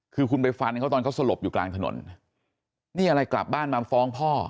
คือคุณไปฟันเขาตอนเขาสลบอยู่กลางถนนนี่อะไรกลับบ้านมาฟ้องพ่อ